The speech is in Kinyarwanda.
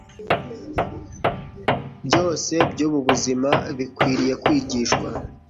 byose byubu buzima bikwiriye kwigishwa